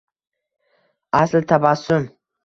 asli tabassum